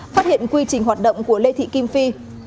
phát hiện quy trình hoạt động của lê thị kim phi